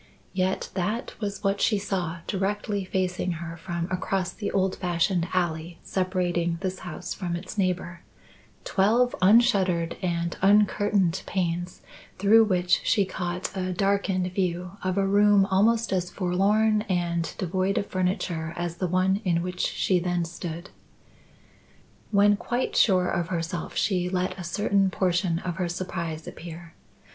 Yet that was what she saw directly facing her from across the old fashioned alley separating this house from its neighbour; twelve unshuttered and uncurtained panes through which she caught a darkened view of a room almost as forlorn and devoid of furniture as the one in which she then stood. When quite sure of herself, she let a certain portion of her surprise appear.